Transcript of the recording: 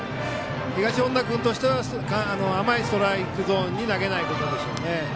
東恩納君としては甘いストライクゾーンに投げないことでしょうね。